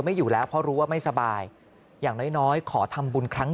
ไม่อยู่แล้วเพราะรู้ว่าไม่สบายอย่างน้อยน้อยขอทำบุญครั้ง